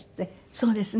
そうですね。